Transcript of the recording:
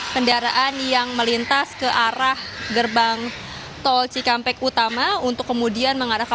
kendaraan yang melintas ke arah gerbang tol cikampek utama untuk kemudian mengarahkan